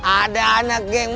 ada anak yang mau